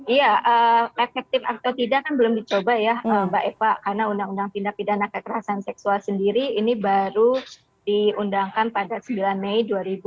iya efektif atau tidak kan belum dicoba ya mbak eva karena undang undang tindak pidana kekerasan seksual sendiri ini baru diundangkan pada sembilan mei dua ribu dua puluh